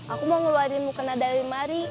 aku mau ngeluarin mukena dari lemari